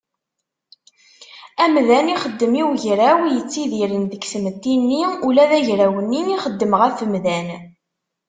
Amdan ixeddem i ugraw yettidiren deg tmett-nni, ula d agraw-nni ixeddem ɣef umdan.